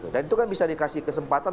dan itu kan bisa dikasih kesempatan